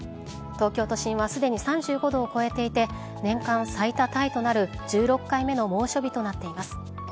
東京都心はすでに３５度を超えていて年間最多タイとなる１６回目の猛暑日となっています。